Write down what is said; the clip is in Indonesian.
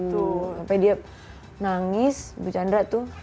tuh sampai dia nangis bu chandra tuh